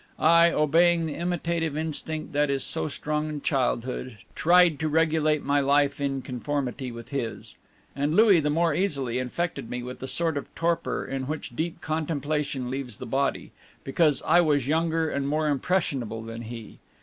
I, obeying the imitative instinct that is so strong in childhood, tired to regulate my life in conformity with his. And Louis the more easily infected me with the sort of torpor in which deep contemplation leaves the body, because I was younger and more impressionable than he.